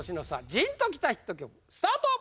ジーンときたヒット曲スタート